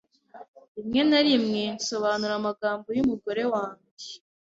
Rimwe na rimwe nsobanura amagambo y'umugore wanjye.